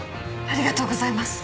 ありがとうございます！